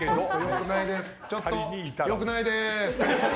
ちょっと良くないでーす！